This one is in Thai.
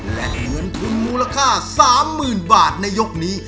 และเงินทุนมูลค่า๓๐๐๐บาทในยกนี้